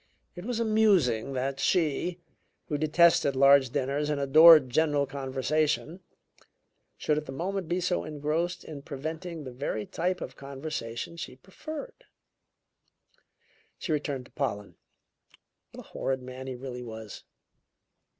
It was amusing that she, who detested large dinners and adored general conversation, should at the moment be so engrossed in preventing the very type of conversation she preferred. She returned to Pollen. What a horrid man he really was!